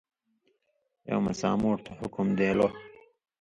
ایوں مہ سامُوٹھھ تُھو حُکُم دېن٘لو (حاکم)،